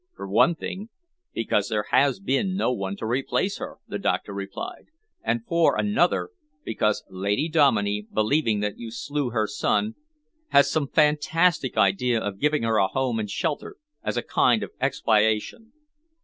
"For one thing, because there has been no one to replace her," the doctor replied, "and for another, because Lady Dominey, believing that you slew her son, has some fantastic idea of giving her a home and shelter as a kind of expiation."